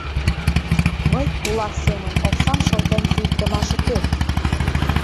Мый кулак семын оксам шылтен кийыктымаш уке...